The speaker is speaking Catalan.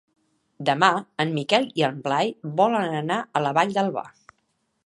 Demà en Miquel i en Blai volen anar a la Vall d'Alba.